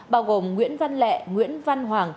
bao gồm nguyễn văn lẹ nguyễn văn hoàng